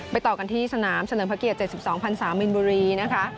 ต่อกันที่สนามเฉลิมพระเกียรติ๗๒พันศามินบุรีนะคะ